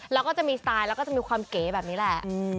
แล้วก็จะมีสไตล์แล้วก็จะมีความเก๋แบบนี้แหละ